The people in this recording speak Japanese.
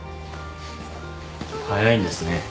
早いんですね。